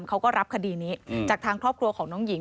เขาก็รับคดีนี้จากทางครอบครัวของน้องหญิง